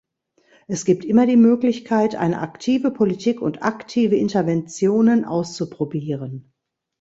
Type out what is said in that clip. Es gibt immer die Möglichkeit, eine aktive Politik und aktive Interventionen auszuprobieren.